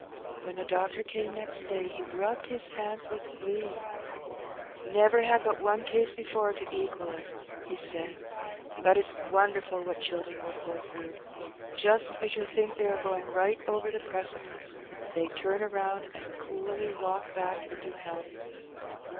When the doctor came next day he rubbed his hands with glee. Never had but one case before to equal it!" he said, but it's wonderful what children will pull through: just as you think they are going right over the precipice, they turn round, and coolly walk back into health."